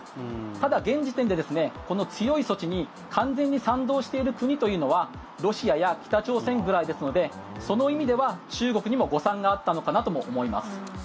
ただ、現時点でこの強い措置に完全に賛同している国というのはロシアや北朝鮮ぐらいですのでその意味では中国にも誤算があったのかなとも思います。